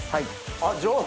あっ上手！